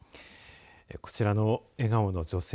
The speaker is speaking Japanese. こちらの笑顔の女性